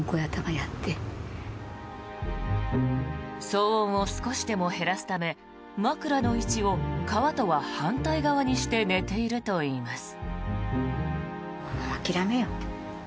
騒音を少しでも減らすため枕の位置を川とは反対側にして寝ているといいます。